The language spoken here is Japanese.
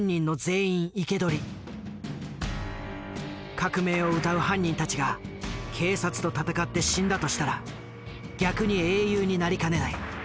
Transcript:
革命をうたう犯人たちが警察と戦って死んだとしたら逆に英雄になりかねない。